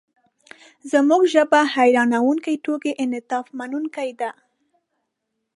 زموږ ژبه حیرانوونکې توګه انعطافمنونکې ده.